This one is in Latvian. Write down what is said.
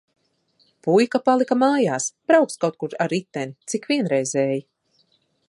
Puika palika mājās, brauks kaut kur ar riteni. Cik vienreizēji!